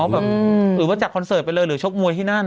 หรือว่าจัดคอนเสิร์ตไปเลยหรือชกมวยที่นั่น